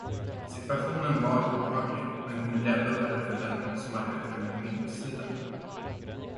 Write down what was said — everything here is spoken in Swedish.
Situationen var obehaglig, men kunde bli ändå värre för den, som arbetade under middagstiden.